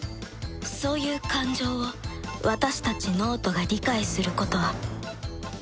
そういう感情を私たち脳人が理解することはない